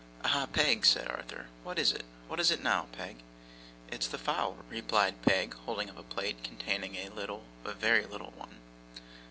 'Aha, Peg!' said Arthur, 'what is it? What is it now, Peg?' 'It's the fowl,' replied Peg, holding up a plate containing a little, a very little one.